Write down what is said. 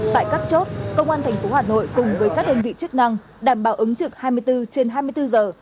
tại các chốt công an tp hà nội cùng với các đơn vị chức năng đảm bảo ứng trực hai mươi bốn trên hai mươi bốn giờ